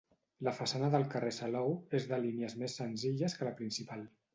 La façana del carrer Salou és de línies més senzilles que la principal.